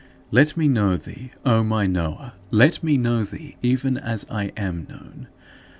Let me know thee, O my Knower; let me know thee even as I am known.